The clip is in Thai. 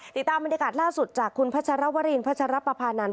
ติดตามบรรยากาศล่าสุดจากคุณพัชรวรินพัชรปภานันท